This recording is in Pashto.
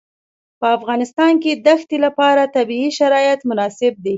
په افغانستان کې د ښتې لپاره طبیعي شرایط مناسب دي.